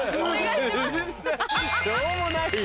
しょうもないよ。